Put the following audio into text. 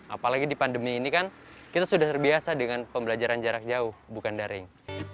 apalagi di pandemi ini kan kita sudah terbiasa dengan pembelajaran jarak jauh bukan daring